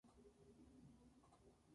Esto se conoce como Fenómeno Phi.